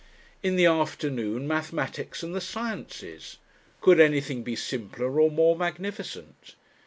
In the afternoon mathematics and the sciences. Could anything be simpler or more magnificent?